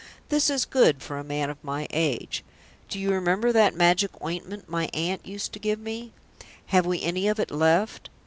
This is good for a man of my age. Do you remember that magic ointment my aunt used to give me? Have we any of it left?